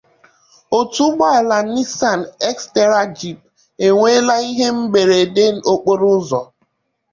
Otu ụgbọala 'Nissan Xterra Jeep' enweela ihe mberede okporoụzọ